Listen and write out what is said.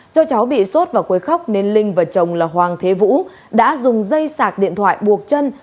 do cháu bị sốt và quấy khóc nên linh và chồng là hoàng thế vũ đã dùng dây sạc điện thoại buộc chân